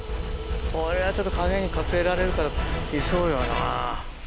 これはちょっと陰に隠れられるからいそうよな。